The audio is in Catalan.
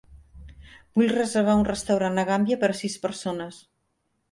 Vull reservar un restaurant a Gambia per a sis persones.